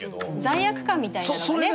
罪悪感みたいなのね。